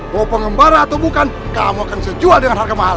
kau penggembara atau bukan kamu akan dijual dengan harga mahal